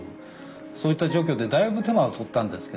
そういった除去でだいぶ手間は取ったんですけどね